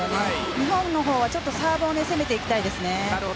日本のほうはちょっとサーブを攻めていきたいですね。